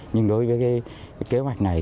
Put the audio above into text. nhưng đối với kế hoạch này